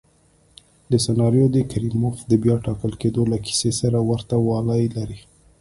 دا سناریو د کریموف د بیا ټاکل کېدو له کیسې سره ورته والی لري.